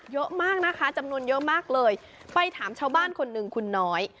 เยอะมากนะคะจำนวนเยอะมากเลยไปถามชาวบ้านคนหนึ่งคุณน้อย